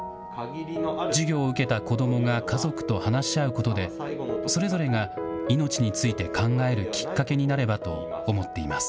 授業を受けた子どもが家族と話し合うことで、それぞれが命について考えるきっかけになればと思っています。